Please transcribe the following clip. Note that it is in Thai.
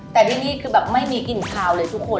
แต่ที่นี่คือแบบไม่มีกลิ่นคาวเลยทุกคน